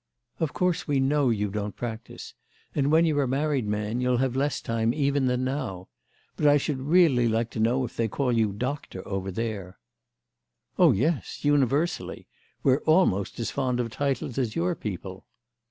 "Of course we know you don't practise, and when you're a married man you'll have less time even than now. But I should really like to know if they call you Doctor over there." "Oh yes, universally. We're almost as fond of titles as your people."